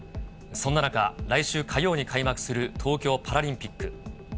そんな中、来週火曜に開幕する東京パラリンピック。